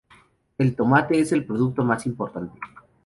El tomate es el producto más importante.